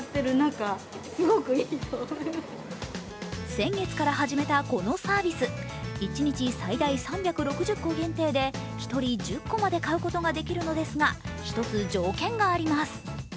先月から始めたこのサービス、１日最大３６０個限定で１人１０個まで買うことができるのですが一つ、条件があります。